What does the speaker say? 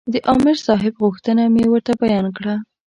د عامر صاحب غوښتنه مې ورته بیان کړه.